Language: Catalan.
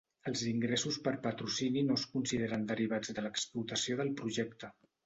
Els ingressos per patrocini no es consideren derivats de l'explotació del projecte.